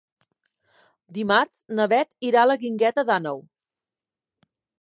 Dimarts na Beth irà a la Guingueta d'Àneu.